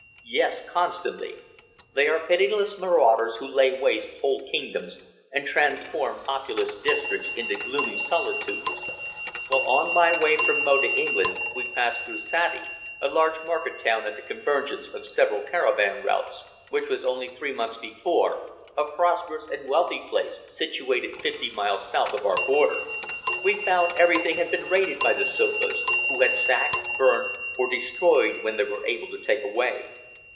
"Yes, constantly. They are pitiless marauders who lay waste whole kingdoms and transform populous districts into gloomy solitudes. While on my way from Mo to England we passed through Sati, a large market town at the convergence of several caravan routes, which was only three months before a prosperous and wealthy place situated fifty miles south of our border. We found everything had been raided by the Sofas, who had sacked, burned or destroyed what they were unable to take away.